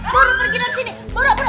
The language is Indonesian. buru pergi dari sini buru buru